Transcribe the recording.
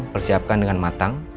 persiapkan dengan matang